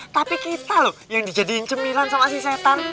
tapi kita loh yang dijadiin cemilan sama si setan